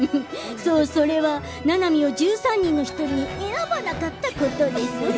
そう、それはななみを１３人の１人に選ばなかったことです。